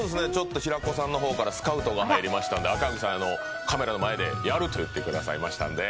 平子さんの方からスカウトが入りましたので赤荻さんカメラの前でやると言ってくださったので。